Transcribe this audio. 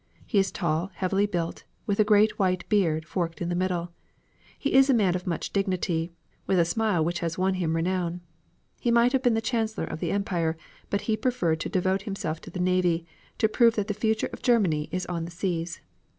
He is tall, heavily built, with a great white beard, forked in the middle. He is a man of much dignity, with a smile which has won him renown. He might have been Chancellor of the Empire but he preferred to devote himself to the navy, to prove that the future of Germany is on the seas.